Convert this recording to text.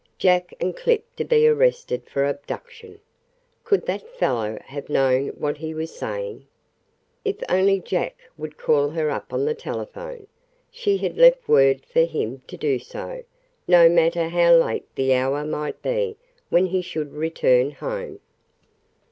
Jack and Clip to be arrested for abduction! Could that fellow have known what he was saying? If only Jack would call her up on the telephone. She had left word for him to do so, no matter how late the hour might be when he should return home.